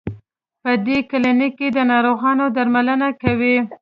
په دې کلینک کې د ناروغانو درملنه کوي.